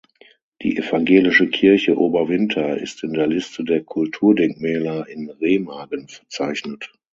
Die Evangelische Kirche Oberwinter ist in der Liste der Kulturdenkmäler in Remagen verzeichnet.